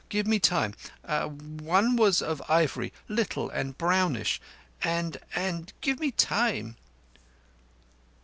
Give me time. One was of ivory, little and brownish; and—and—give me time..."